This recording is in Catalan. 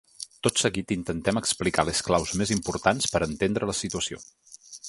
Tot seguit intentem explicar les claus més importants per a entendre la situació.